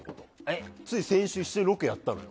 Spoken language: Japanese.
つい先週、一緒にロケやったの。